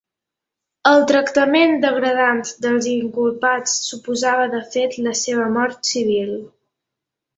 El tractament degradant dels inculpats suposava de fet la seva mort civil.